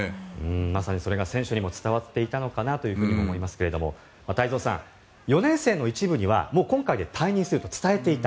まさにそれが選手にも伝わっていたのかなと思いますが太蔵さん、４年生の一部には今回で退任すると伝えていた。